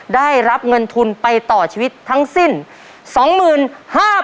ได้รับเงินทุนไปต่อชีวิตทั้งสิ้น๒๕๐๐บาท